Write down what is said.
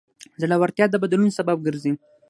زړورتیا د بدلون سبب ګرځي.